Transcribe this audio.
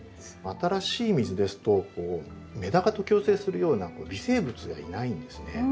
新しい水ですとメダカと共生するような微生物がいないんですね。